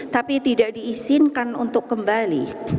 tapi tidak diizinkan untuk kembali